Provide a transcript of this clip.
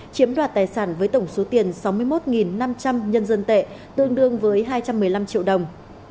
chiếm đoạt tài sản với tổng số tiền sáu mươi một năm trăm linh nhân dân tệ tương đương với hai trăm một mươi năm triệu đồng